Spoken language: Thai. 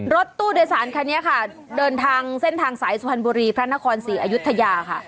รถตู้โดยสารคันนี้ค่ะเดินทางเส้นทางสายสุพรรณบุรีพระนครศรีอยุธยาค่ะ